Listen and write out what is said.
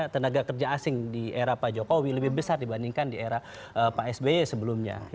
tenaga kerja asing di era pak jokowi lebih besar dibandingkan di era pak sby sebelumnya